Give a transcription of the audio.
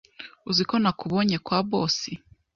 Uziko nakubonye kwa Boss